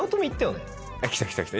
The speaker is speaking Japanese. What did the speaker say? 来た来た来た。